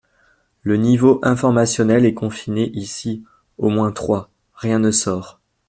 le niveau informationnel est confiné ici, au moins trois. Rien ne sort.